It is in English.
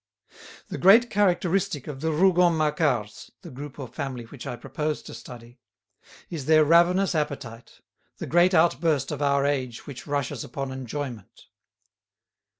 The great characteristic of the Rougon Macquarts, the group or family which I propose to study, is their ravenous appetite, the great outburst of our age which rushes upon enjoyment.